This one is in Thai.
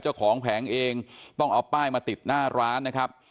แผงเองต้องเอาป้ายมาติดหน้าร้านนะครับ